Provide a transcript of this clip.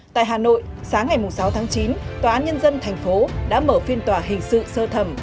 tại hà nội sáng ngày sáu tháng chín tòa án nhân dân thành phố đã mở phiên tòa hình sự sơ thẩm